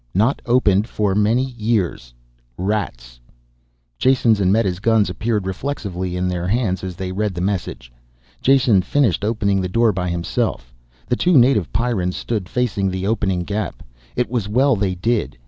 not opened for many years, rats Jason's and Meta's guns appeared reflexively in their hands as they read the message. Jason finished opening the door by himself. The two native Pyrrans stood facing the opening gap. It was well they did.